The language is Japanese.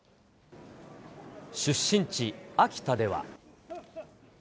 出身地、秋田では。